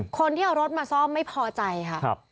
คนที่เอารถมาซ่อมไม่พอใจค่ะ